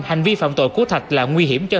hành vi phạm tội của thạch là nguy hiểm cho